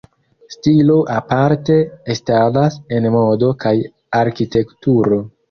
Stilo aparte estadas en modo kaj arkitekturo.